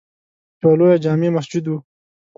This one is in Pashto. یوه لویه جامع مسجد وه.